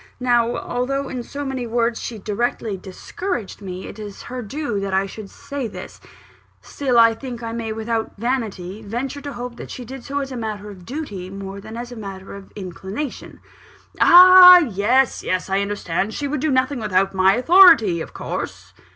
"Now, although in so many words she directly discouraged me it is her due that I should say this still, I think I may without vanity venture to hope that she did so as a matter of duty, more than as a matter of inclination." "Ah yes, yes! I understand. She would do nothing without my authority, of course?"